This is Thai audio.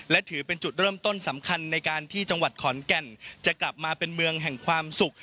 และถือเป็นจุดเริ่มต้นสำคัญในการที่จังหวัดขอนแก่นจะกลับมาเป็นเมืองแห่งความสุข